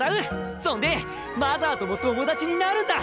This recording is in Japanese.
そんでマザーとも友達になるんだ！